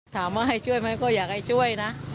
ถามว่าให้ช่วยไหมก็อยากให้ช่วยนะ